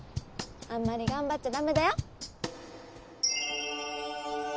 あんまり頑張っちゃダメだよ？